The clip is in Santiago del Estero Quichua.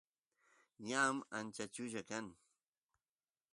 ñan ancha chulla kan